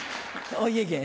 お家芸。